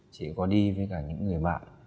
chị có đi với cả những người bạn